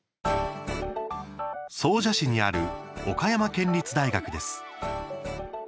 総社市にある岡山県立大学です。